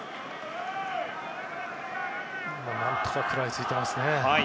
何とか食らいついていますね。